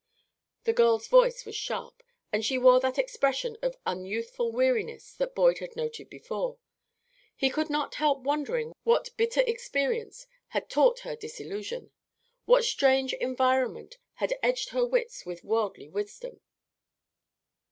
The girl's voice was sharp, and she wore that expression of unyouthful weariness that Boyd had noted before. He could not help wondering what bitter experience had taught her disillusion, what strange environment had edged her wits with worldly wisdom.